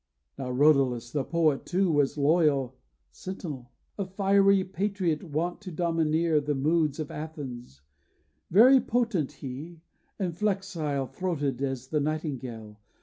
Now Rhodalus The poet, too, was loyal sentinel; A fiery patriot, wont to domineer The moods of Athens; very potent he, And flexile throated as the nightingale.